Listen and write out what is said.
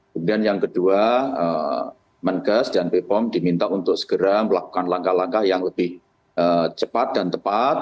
kemudian yang kedua menkes dan bepom diminta untuk segera melakukan langkah langkah yang lebih cepat dan tepat